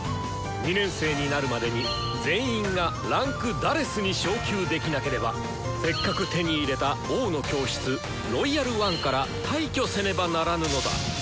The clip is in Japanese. ２年生になるまでに全員が位階「４」に昇級できなければせっかく手に入れた「王の教室」「ロイヤル・ワン」から退去せねばならぬのだ！